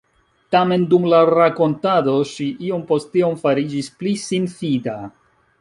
Tamen dum la rakontado ŝi iom post iom fariĝis pli sinfida.